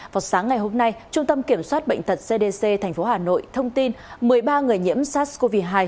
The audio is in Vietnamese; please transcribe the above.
vào sáng ngày hôm nay trung tâm kiểm soát bệnh tật cdc tp hà nội thông tin một mươi ba người nhiễm sars cov hai